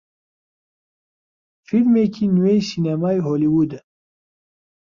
فیلمێکی نوێی سینەمای هۆلیوودە